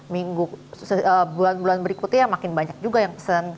minggu bulan bulan berikutnya ya makin banyak juga yang pesen